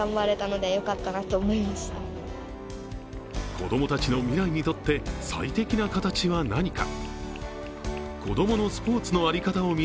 子供たちの未来にとって最適な形は何か。